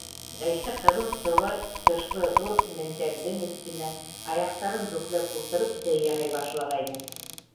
Ғәйшә, ҡыҙыл сыбар тышлы ҙур мендәрҙең өҫтөнә аяҡтарын бөкләп ултырып, сәй яһай башлағайны.